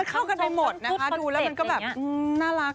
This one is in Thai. เข้ากันไปหมดนะคะดูแล้วมันก็แบบน่ารัก